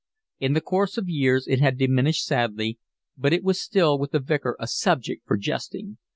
In the course of years it had diminished sadly, but it was still with the Vicar a subject for jesting.